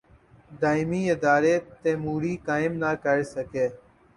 دائمی ادارے تیموری قائم نہ کر سکے۔